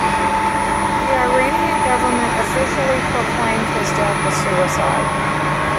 The Iranian government officially proclaimed his death a suicide.